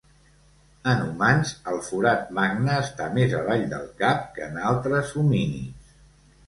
En humans, el forat magne està més avall del cap que en altres homínids.